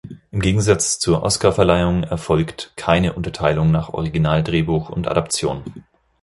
Im Gegensatz zur Oscarverleihung erfolgt keine Unterteilung nach Originaldrehbuch und Adaption.